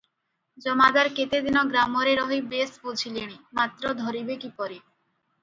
ଜମାଦାର କେତେଦିନ ଗ୍ରାମରେ ରହି ବେଶ୍ ବୁଝିଲେଣି; ମାତ୍ର ଧରିବେ କିପରି?